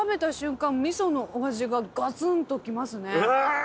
味噌のお味がガツンときますね。